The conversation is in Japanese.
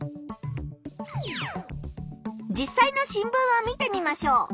実さいの新聞を見てみましょう。